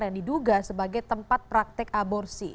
yang diduga sebagai tempat praktek aborsi